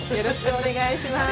お願いします。